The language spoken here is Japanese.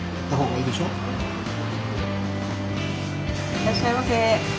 いらっしゃいませ。